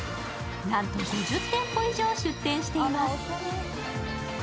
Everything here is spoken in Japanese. なんと５０店舗以上が出店しています。